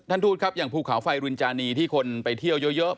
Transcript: ทูตครับอย่างภูเขาไฟรุนจานีที่คนไปเที่ยวเยอะ